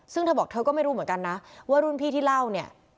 ซึ่งเธอบอกเธอก็ไม่รู้เหมือนกันนะว่ารุ่นพี่ที่เล่าเนี่ย